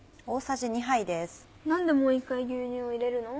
何でもう１回牛乳を入れるの？